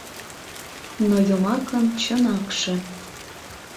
Но йомакын чын акше